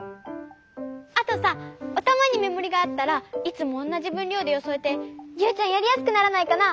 あとさおたまにめもりがあったらいつもおんなじぶんりょうでよそえてユウちゃんやりやすくならないかな？